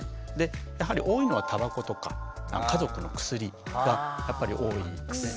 やはり多いのはタバコとか家族の薬がやっぱり多いですね。